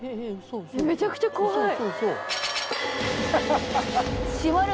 めちゃくちゃ怖い。